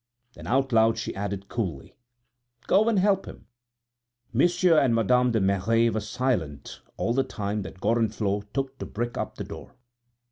Then out loud, she added coolly: "Go and help him!" Monsieur and Madame de Merret were silent all the time that Gorenflot took to brick up the door.